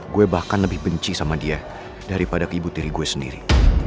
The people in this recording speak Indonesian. gue bahkan lebih benci sama dia daripada ibu tiri gue sendiri